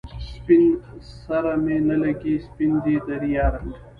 سپين سره می نه لګي، سپین دی د ریا رنګ